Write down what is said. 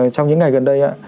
trong những ngày gần đây